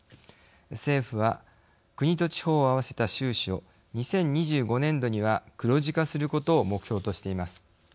政府は国と地方を合わせた収支を２０２５年度には黒字化することを目標としています。